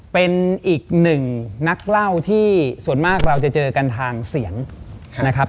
เป็นอีกหนึ่งนักเล่าที่ส่วนมากเราจะเจอกันทางเสียงนะครับ